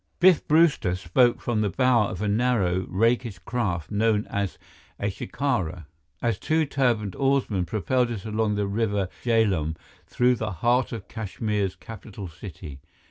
Biff Brewster spoke from the bow of a narrow, rakish craft known as a shikara, as two turbaned oarsmen propelled it along the River Jhelum through the heart of Kashmir's capital city.